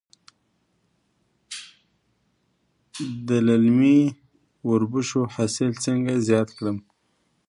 د للمي وربشو حاصل څنګه زیات کړم؟